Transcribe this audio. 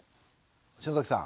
篠崎さん